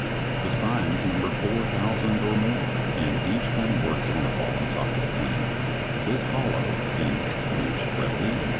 The spines number four thousand or more, and each one works on the ball and socket plan, is hollow, and moves readily in all directions.